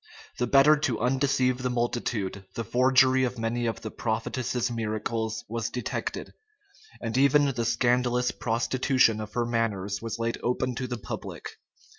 The better to undeceive the multitude, the forgery of many of the prophetess's miracles was detected; and even the scandalous prostitution of her manners was laid open to the public.